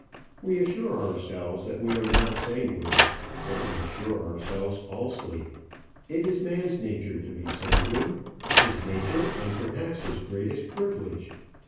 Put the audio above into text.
We assure ourselves that we are not sanguine, but we assure ourselves falsely. It is man's nature to be sanguine; his nature, and perhaps his greatest privilege.